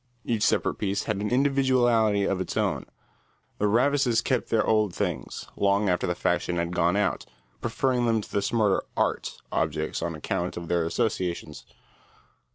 Each separate piece had an individuality of its own. The Ravises kept their old things, long after the fashion had gone out, preferring them to the smarter "art" objects on account of their associations.